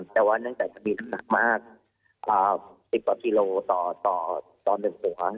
แต่ว่าเนื่องจากจะมีน้ำหนักมาก๑๐กว่ากิโลต่อ๑หัว